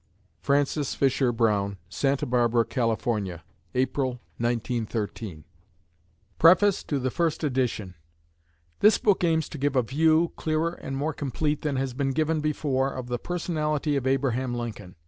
F.F.B. SANTA BARBARA, CAL., April, 1913. PREFACE TO THE FIRST EDITION This book aims to give a view, clearer and more complete than has been given before, of the personality of Abraham Lincoln.